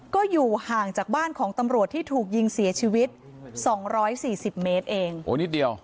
ก็อยู่ห่างจากบ้านของตำรวจที่ถูกยิงเสียชีวิตสองร้อยสี่สิบเมตรเองโอ้นิดเดียว